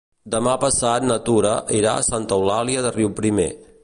Demà passat na Tura irà a Santa Eulàlia de Riuprimer.